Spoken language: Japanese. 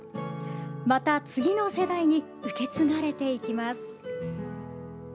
また次の世代に受け継がれていきます。